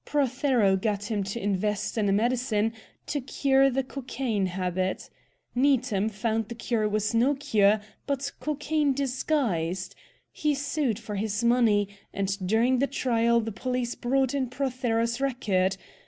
Prothero got him to invest in a medicine to cure the cocaine habit. Needham found the cure was no cure, but cocaine disguised. He sued for his money, and during the trial the police brought in Prothero's record.